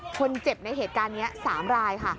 คนเจ็บในเหตุการณ์นี้๓รายค่ะ